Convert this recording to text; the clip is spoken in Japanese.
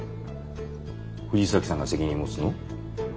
藤崎さんが責任持つの？